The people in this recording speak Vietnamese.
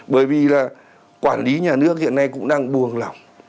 bởi vì là quản lý nhà nước hiện nay cũng đang buồng lỏng